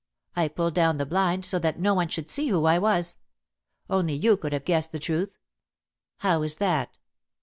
I pulled down the blind, so that no one should see who I was. Only you could have guessed the truth." "How is that?"